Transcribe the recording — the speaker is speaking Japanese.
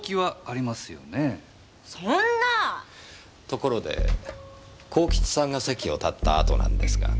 ところで幸吉さんが席を立った後なんですが。